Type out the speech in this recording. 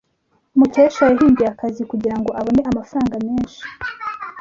Mukesha yahinduye akazi kugirango abone amafaranga menshi.